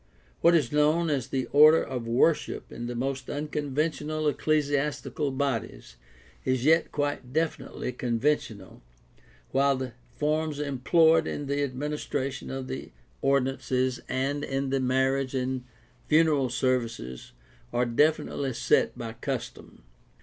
What is known as the "Order of Worship" in the most unconventional ecclesiastical bodies is yet quite definitely conventional, while the forms employed in the administration of the ordinances and in the marriage and funeral services are definitely set by custom.